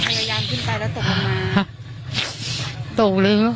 พยายามขึ้นไปแล้วตกมา